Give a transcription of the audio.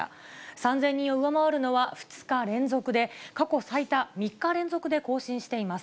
３０００人を上回るのは２日連続で、過去最多、３日連続で更新しています。